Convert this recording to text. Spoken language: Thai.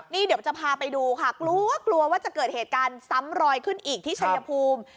นี่เดี๋ยวจะพาไปดูค่ะกลัวกลัวว่าจะเกิดเหตุการณ์ซ้ำรอยขึ้นอีกที่ชัยภูมิ